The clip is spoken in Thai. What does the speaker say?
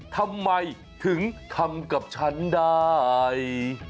ทำไมถึงทำกับฉันได้